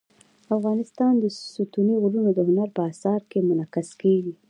افغانستان کې ستوني غرونه د هنر په اثار کې منعکس کېږي.